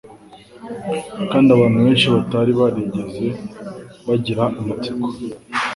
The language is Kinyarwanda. kandi abantu benshi batari barigeze bagira amatsiko